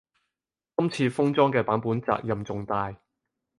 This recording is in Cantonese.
今次封裝嘅版本責任重大